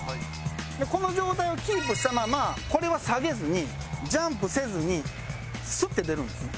この状態をキープしたままこれは下げずにジャンプせずにスッて出るんですね。